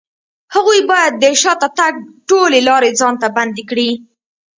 هغوی بايد د شاته تګ ټولې لارې ځان ته بندې کړي.